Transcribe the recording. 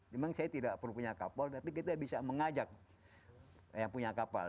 cuma saya tidak perlu punya kapal tapi kita bisa mengajak yang punya kapal